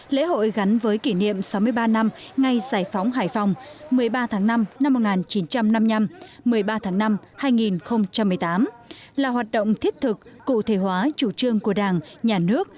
lễ hội gắn với kỷ niệm sáu mươi ba năm ngày giải phóng hải phòng một mươi ba tháng năm năm một nghìn chín trăm năm mươi năm một mươi ba tháng năm hai nghìn một mươi tám là hoạt động thiết thực cụ thể hóa chủ trương của đảng nhà nước